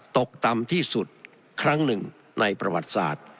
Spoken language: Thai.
ตกต่ำที่สุดครั้งหนึ่งในประวัติศาสตร์